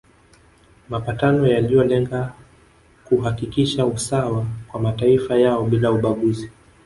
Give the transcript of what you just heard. Mapatano yaliyolenga kuhakikisha usawa kwa mataifa yao bila ubaguzi